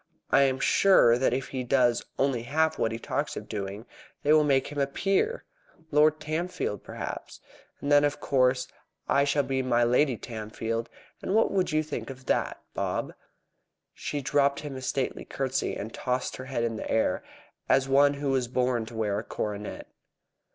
I am sure that if he does only half what he talks of doing, they will make him a peer Lord Tamfield, perhaps and then, of course, I shall be my Lady Tamfield, and what would you think of that, Bob?" She dropped him a stately curtsey, and tossed her head in the air, as one who was born to wear a coronet.